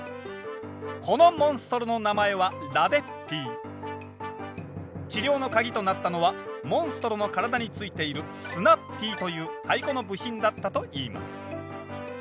このモンストロの名前は治療の鍵となったのはモンストロの体に付いているスナッピーという太鼓の部品だったといいます。